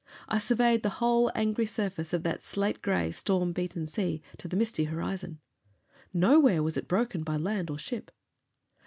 I surveyed the whole angry surface of that slate gray, storm beaten sea, to the misty horizon. Nowhere was it broken by land or ship.